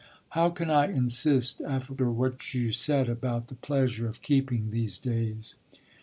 "How can I insist after what you said about the pleasure of keeping these days?"